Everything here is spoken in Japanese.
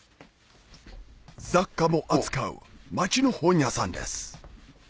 雑貨も扱う町の本屋さんです